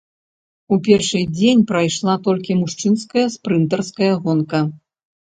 У першы дзень прайшла толькі мужчынская спрынтарская гонка.